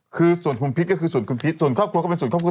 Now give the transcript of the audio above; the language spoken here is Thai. คือส่วนคุณพิษก็คือส่วนคุณพิษส่วนครอบครัวก็เป็นส่วนครอบครัว